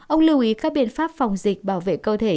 ông lưu ý các biện pháp phòng dịch bảo vệ cơ thể